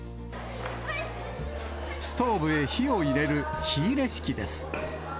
ストーブへ火を入れる、火入れ式です。